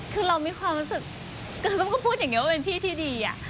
คือเรามีความรู้สึกมันก็พูดอย่างนี้ว่าเป็นพี่ที่ดีอะ